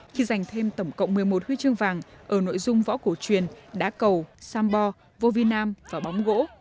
khi giành thêm tổng cộng một mươi một huy chương vàng ở nội dung võ cổ truyền đá cầu sambo vô vinam và bóng gỗ